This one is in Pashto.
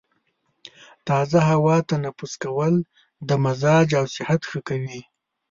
تازه هوا تنفس کول د مزاج او صحت ښه کوي.